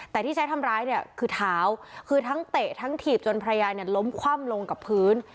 แต่ที่ใช้ทำร้ายเนี่ยคือเท้าคือทั้งเตะทั้งถีบจนภรรยาเนี่ยล้มคว่ำลงกับพื้น